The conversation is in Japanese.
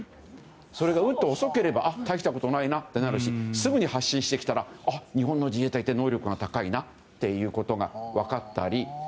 それがうんと遅ければ大したことないなとなるしすぐに発進してくれば日本の自衛隊って能力が高いなってことが分かったり。